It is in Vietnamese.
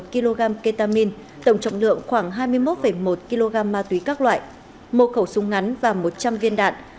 một mươi hai một kg ketamine tổng trọng lượng khoảng hai mươi một một kg ma túy các loại một khẩu súng ngắn và một trăm linh viên đạn